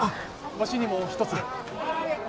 わしにも１つ。